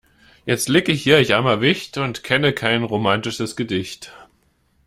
Jetzt lieg ich hier ich armer Wicht und kenne kein romatisches Gedicht.